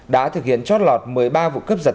đã thực hiện chót lọt một mươi ba vụ cướp giật